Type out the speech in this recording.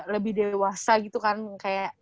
lebih dewasa gitu kan kayak